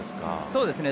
そうですね。